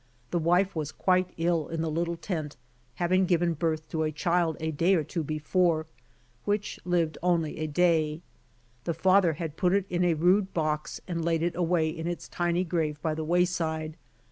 The wife was quite ill in the little tent, having given birth to a child a day or two before, which lived only a day. The father had put it in a rude box and laid it away in its tiny grave by the wayside.